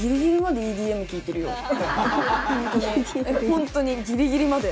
ほんとにギリギリまで。